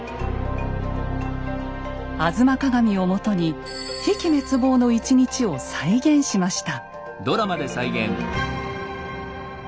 「吾妻鏡」をもとに「比企滅亡の１日」を再現しました。